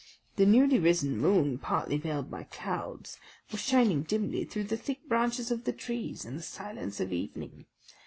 The newly risen moon, partly veiled by clouds, was shining dimly through the thick branches of the trees in the silence of evening.